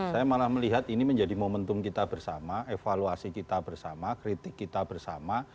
saya malah melihat ini menjadi momentum kita bersama evaluasi kita bersama kritik kita bersama